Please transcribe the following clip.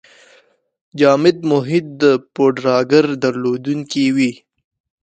جامد محیط د پوډراګر درلودونکی وي.